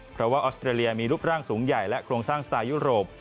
เพราะว่าออสเตรเลียมีรูปร่างสูงใหญ่และโครงสร้างสไตล์ยุโรป